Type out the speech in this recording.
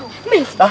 ditaruh ngebet kali